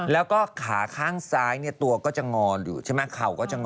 แล้วก็ขาข้างซ้ายเนี่ยตัวก็จะงอนอยู่ใช่ไหมเข่าก็จะงอ